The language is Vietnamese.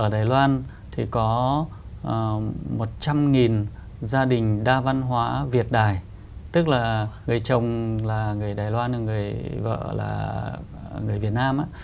đa văn hóa việt đài tức là người chồng là người đài loan người vợ là người việt nam á